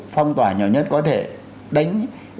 phong tỏa nhỏ nhất có thể đánh